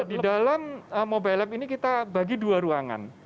di dalam mobile lab ini kita bagi dua ruangan